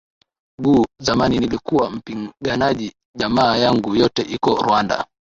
gu zamani nilikuwa mpiganaji jamaa yangu yote iko rwanda